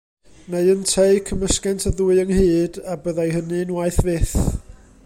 Neu ynteu, cymysgent y ddwy ynghyd, a byddai hynny'n waeth fyth.